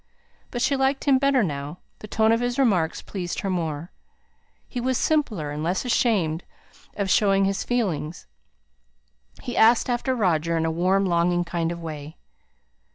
But she liked him better now. The tone of his remarks pleased her more. He was simpler, and less ashamed of showing his feelings. He asked after Roger in a warm, longing kind of way.